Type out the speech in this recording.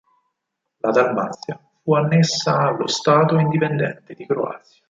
La Dalmazia fu annessa allo Stato Indipendente di Croazia.